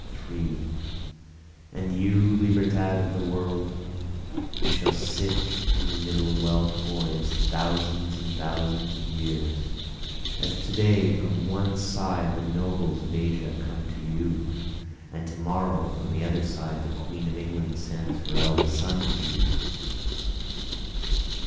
3 And you Libertad of the world! You shall sit in the middle well pois'd thousands and thousands of years, As to day from one side the nobles of Asia come to you, As to morrow from the other side the queen of England sends her eldest son to you.